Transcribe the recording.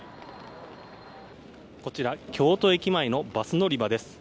こちら京都駅前のバス乗り場です。